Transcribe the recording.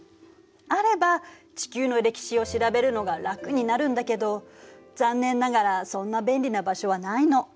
あれば地球の歴史を調べるのが楽になるんだけど残念ながらそんな便利な場所はないの。